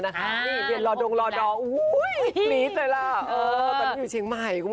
สนิทเลยล่ะเตั้งต้นอยู่เฉียงใหม่